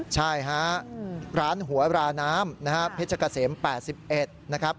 ใช่ฮะร้านหัวราน้ำนะฮะเพชรเกษม๘๑นะครับ